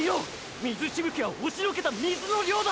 水しぶきはおしのけた水の量だ！